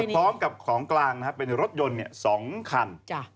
พร้อมกับของกลางเป็นรถยนต์๒คัน